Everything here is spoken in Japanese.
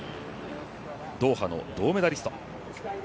ドーハの銅メダリスト。